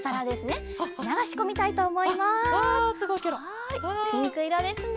はいピンクいろですね。